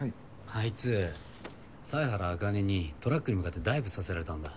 あいつ犀原茜にトラックに向かってダイブさせられたんだ。